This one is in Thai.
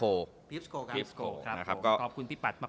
ขอบคุณพี่ปัจธิ์มากครับครับ